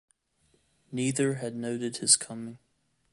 Neither had noted his coming.